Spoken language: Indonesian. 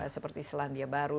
seperti selandia baru